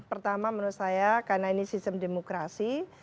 pertama menurut saya karena ini sistem demokrasi